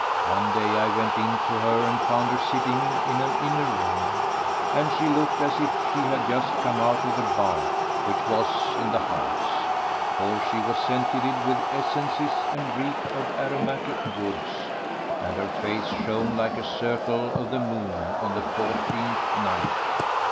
One day I went in to her and found her sitting in an inner room, and she looked as if she had just come out of the bath which was in the house; for she was scented with essences and reek of aromatic woods, and her face shone like a circle of the moon on the fourteenth night.